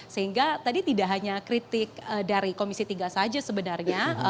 sehingga tadi tidak hanya kritik dari komisi tiga saja sebenarnya